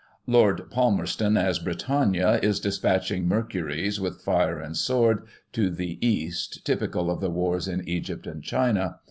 Lord Palmerston, as Britannia, is dis patching Mercuries with fire and sword, to the east, typical of the wars in Egypt and China.